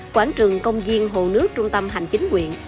quảng trường công viên hồ nước trung tâm hành chính quyện